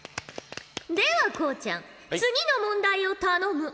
ではこうちゃん次の問題を頼む。